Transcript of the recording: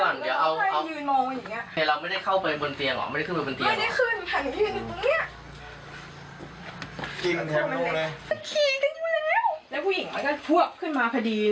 เอามาไปโดนหลังมันพอดีอืมแล้วมือเราอยู่ยังไงอ่ะมือหนูอยู่